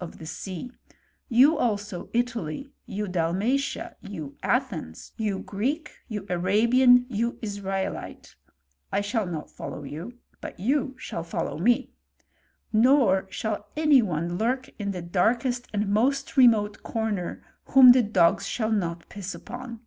L 146 filSTOKY Of CH£MI8¥&T# of the sea; you also Italy, you Dalmatia, you Athens^ you Greek, you Arabian, you Israelite — I shall not follow you, but you shall follow me. Nor shall any one lurk in the darkest and most remote comer whom the dogs shall not piss upon.